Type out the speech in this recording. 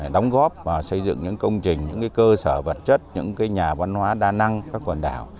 đóng góp và xây dựng những công trình những cơ sở vật chất những nhà văn hóa đa năng các quần đảo